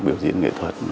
biểu diễn nghệ thuật